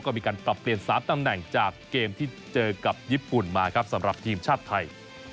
ก็มีการปรับเปลี่ยน๓ตำแหน่งจากเกมที่เจอกับญี่ปุ่นมาครับสำหรับทีมชาติไทย